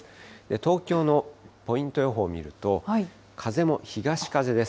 東京のポイント予報を見ると、風も東風です。